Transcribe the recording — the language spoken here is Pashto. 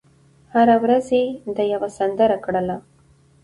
هره ورځ یې دا یوه سندره کړله